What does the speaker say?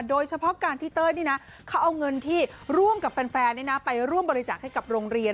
โดยเฉพาะการที่เต้ยนี่นะเขาเอาเงินที่ร่วมกับแฟนไปร่วมบริจาคให้กับโรงเรียน